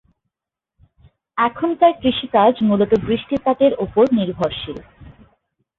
এখানকার কৃষিকাজ মূলত বৃষ্টিপাতের উপর নির্ভরশীল।